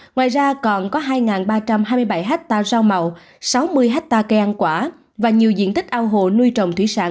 ngoài ra còn có hai ba trăm hai mươi bảy hectare rau màu sáu mươi hectare cây ăn quả và nhiều diện tích ao hồ nuôi trồng thủy sản